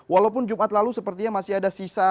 walaupun jumat lalu sepertinya masih ada sisa